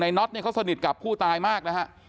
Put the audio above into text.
น็อตเนี่ยเขาสนิทกับผู้ตายมากนะฮะ